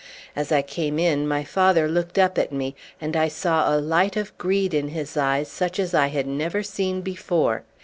As I came in my father looked up at me, and I saw a light of greed in his eyes such as I had never seen before.